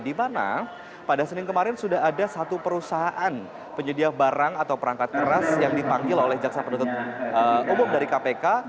di mana pada senin kemarin sudah ada satu perusahaan penyedia barang atau perangkat keras yang dipanggil oleh jaksa penutup umum dari kpk